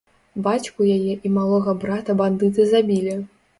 Бацьку яе і малога брата бандыты забілі.